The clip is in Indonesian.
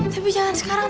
tapi jangan sekarang